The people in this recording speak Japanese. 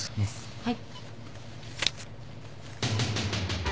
はい。